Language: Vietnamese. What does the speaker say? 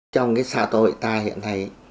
trong cái xã tội ta hiện nay